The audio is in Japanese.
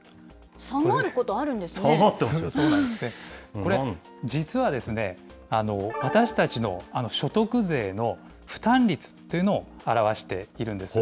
これ、実はですね、私たちの所得税の負担率というのを表しているんです。